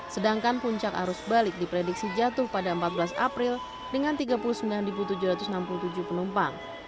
sedangkan puncak arus balik diprediksi jatuh pada empat belas april dengan tiga puluh sembilan tujuh ratus enam puluh tujuh penumpang